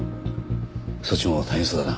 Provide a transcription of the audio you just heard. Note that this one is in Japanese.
そっちも大変そうだな。